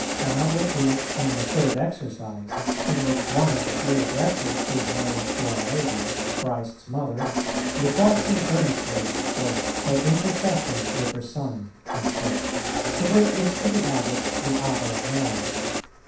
Another is in the third Exercise, in which one of the three addresses is made to our Lady, Christ's Mother, requesting earnestly "her intercession with her Son;" to which is to be added the Ave Mary.